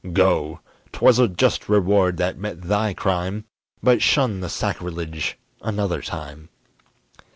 Go! 'twas a just reward that met thy crime; But shun the sacrilege another time.